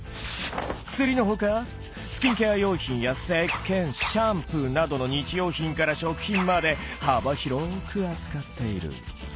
薬のほかスキンケア用品やせっけんシャンプーなどの日用品から食品まで幅広く扱っている。